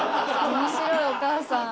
面白いお母さん。